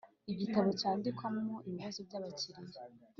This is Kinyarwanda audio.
Igitabo cyandikwamo ibibazo by abakiriya